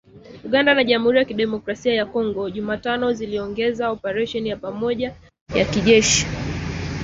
Uganda na Jamhuri ya Kidemokrasi ya Kongo, Jumatano ziliongeza operesheni ya pamoja ya kijeshi